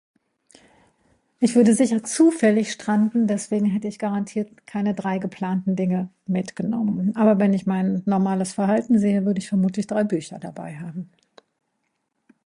Ich würde sicher zufällig stranden, deswegen hätte ich garantiert keine drei geplanten Dinge mitgenommen, aber wenn ich mein normales Verhalten sehe, würde ich vermutlich drei Bücher dabeihaben.